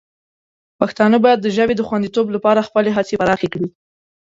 پښتانه باید د ژبې د خوندیتوب لپاره خپلې هڅې پراخې کړي.